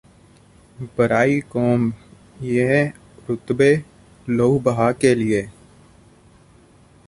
ਬਰਾਇ ਕੌਮ ਯਿਹ ਰੁਤਬੇ ਲਹੂ ਬਹਾ ਕੇ ਲੀਏ